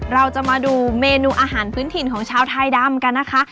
เราจะมาดูเมนูอาหารพื้นถิ่นของชาวไทยดำกันนะคะ